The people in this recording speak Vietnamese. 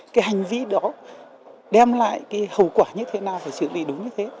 cái hành vi đó đem lại cái hậu quả như thế nào phải xử lý đúng như thế